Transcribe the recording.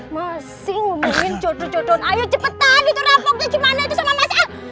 masih ngomongin jodoh jodohnya ayo cepetan itu rapoknya gimana itu sama mas an